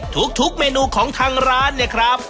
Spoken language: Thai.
ทุกเมนูของทางร้านเนี่ยครับ